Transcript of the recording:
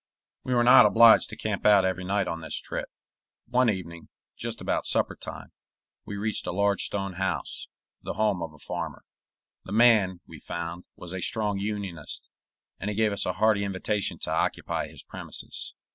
We were not obliged to camp out every night on this trip. One evening, just about supper time, we reached a large stone house, the home of a farmer. The man, we found, was a strong Unionist, and he gave us a hearty invitation to occupy his premises.